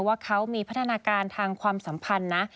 ว่าเขามีพัฒนาการทางความสัมพันธ์นะ